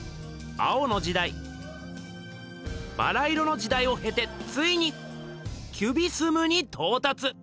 「青の時代」「バラ色の時代」をへてついに「キュビスム」にとうたつ！